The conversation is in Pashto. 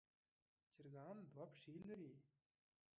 چرګان دوه پښې لري.